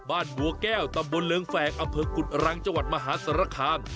บ้านบัวแก้วตำบลเรืองแฝงอกุฎรังจมหาศรษภาค